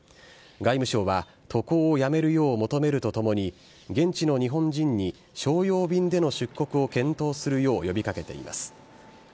外務省は渡航をやめるよう求めるとともに、現地の日本人に商用便での出国を検討するよう呼びかけています。